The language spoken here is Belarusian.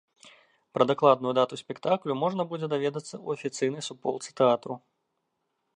Пра дакладную дату спектаклю можна будзе даведацца ў афіцыйнай суполцы тэатру.